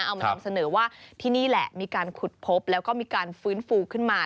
เอามานำเสนอว่าที่นี่แหละมีการขุดพบแล้วก็มีการฟื้นฟูขึ้นมา